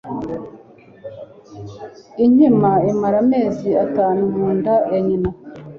Inkima imara amezi atanu mu nda ya nyina